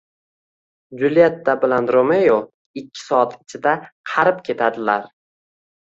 Julyetta bilan Romeo ikki soat ichida qarib ketadilar.